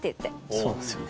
そうなんですよね。